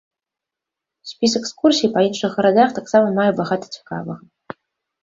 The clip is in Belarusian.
Спіс экскурсій па іншых гарадах таксама мае багата цікавага.